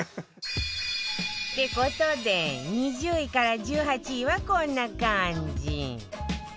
って事で２０位から１８位はこんな感じ